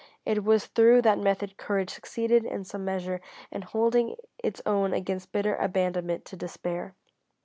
It was through that method courage succeeded in some measure in holding its own against bitter abandonment to despair.